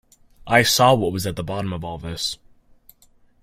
I saw what was at the bottom of all this.